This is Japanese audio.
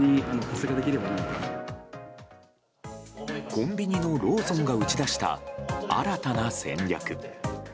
コンビニのローソンが打ち出した新たな戦略。